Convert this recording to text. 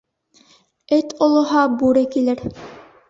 Эт олоһа, бүре килер.